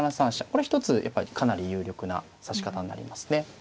これ一つやっぱりかなり有力な指し方になりますね。